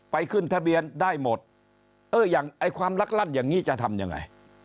ขึ้นทะเบียนได้หมดเอออย่างไอ้ความลักลั่นอย่างนี้จะทำยังไง